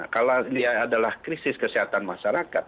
kalau dia adalah krisis kesehatan masyarakat